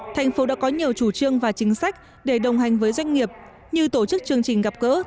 thành phố đã có nhiều chủ trương và chính sách để đồng hành với doanh nghiệp như tổ chức chương trình gặp gỡ tặng quà cho công nhân